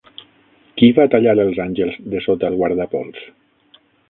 Qui va tallar els àngels dessota el guardapols?